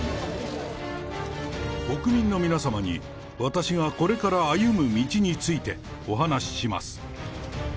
国民の皆様に、私がこれから歩む道について、お話しします。